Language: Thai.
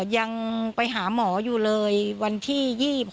ยังไปหาหมออยู่เลยวันที่๒๖